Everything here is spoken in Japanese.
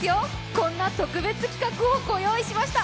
こんな特別企画をご用意しました。